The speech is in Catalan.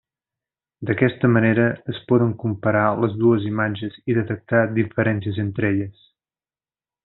D'aquesta manera es poden comparar les dues imatges i detectar diferències entre elles.